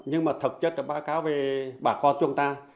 nhưng mà thật chất báo cáo về bà con chúng ta